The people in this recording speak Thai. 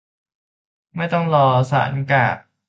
ไม่ต้องรอศาล กาก